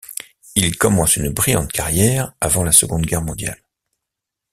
Il commence une brillante carrière avant la Seconde Guerre mondiale.